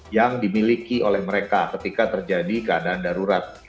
yang dimiliki oleh mereka ketika terjadi keadaan darurat